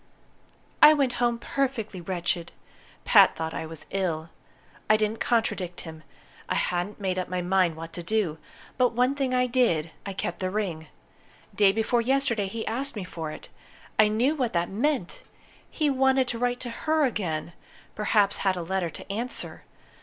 "I went home perfectly wretched. Pat thought I was ill. I didn't contradict him. I hadn't made up my mind what to do. But one thing I did I kept the ring. Day before yesterday he asked me for it. I knew what that meant! He wanted to write to her again perhaps had a letter to answer.